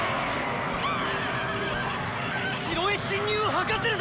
城へ侵入を図ってるぞ！